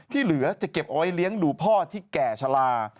ที่เหลือจะเก็บเอาไว้เลี้ยงดูพ่อที่แก่ชะลา